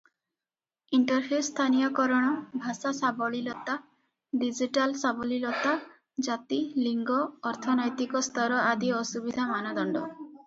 Interface ସ୍ଥାନୀୟକରଣ, ଭାଷା ସାବଲୀଳତା, digital ସାବଲୀଳତା, ଜାତି, ଲିଙ୍ଗ, ଅର୍ଥନୈତିକ ସ୍ତର ଆଦି ଅସୁବିଧା ମାନଦଣ୍ଡ ।